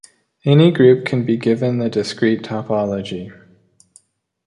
Any group can be given the discrete topology.